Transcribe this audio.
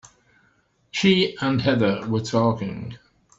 She and Heather were talking.